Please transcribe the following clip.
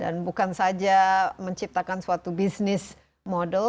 dan bukan saja menciptakan suatu bisnis modern